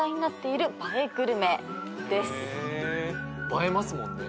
映えますもんね。